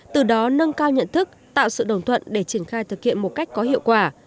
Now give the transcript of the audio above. từ đó nâng cao nhận thức tạo sự đồng thuận để triển khai thực hiện một cách có hiệu quả